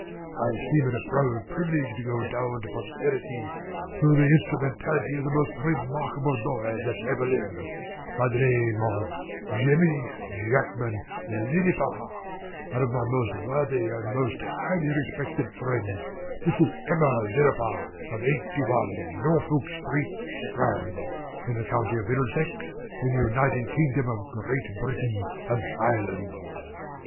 I esteem it a proud privilege to go down to posterity through the instrumentality of the most remarkable boy that ever lived, by the name of JEMMY JACKMAN LIRRIPER, and of my most worthy and most highly respected friend, Mrs. Emma Lirriper, of Eighty one, Norfolk Street, Strand, in the County of Middlesex, in the United Kingdom of Great Britain and Ireland.